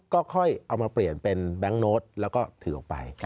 ก็ค่อยเอามาเปลี่ยนเป็นแบงค์โน้ตแล้วก็ถือออกไป